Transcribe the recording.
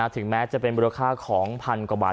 ถึงแม้จะเป็นมูลค่าของพันกว่าบาท